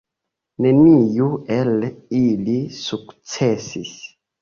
Neniu el ili sukcesis.